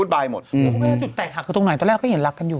คุณแม่จุดแตกหักคือตรงไหนตอนแรกก็เห็นรักกันอยู่